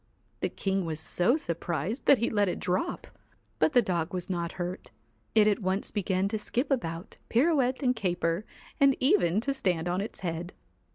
The king was so surprised that he let it drop. But the dog was not hurt It at once began to skip about, pirouette and caper, and even to stand on its head.